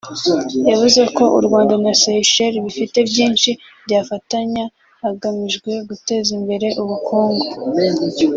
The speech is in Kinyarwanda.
yavuze ko u Rwanda na Seychelles bifite byinshi byafatanya hagamijwe guteza imbere ubukungu